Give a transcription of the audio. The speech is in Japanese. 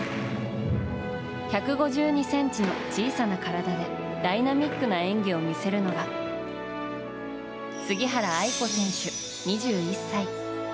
１５２ｃｍの小さな体でダイナミックな演技を見せるのが杉原愛子選手、２１歳。